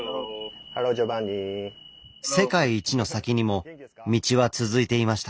世界一の先にも道は続いていました。